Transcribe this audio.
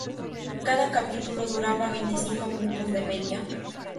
Cada capítulo duraba veinticinco minutos de media.